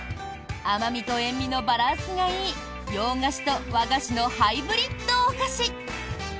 甘味と塩味のバランスがいい洋菓子と和菓子のハイブリッドお菓子！